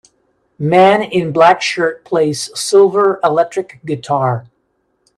Man in black shirt plays silver electric guitar.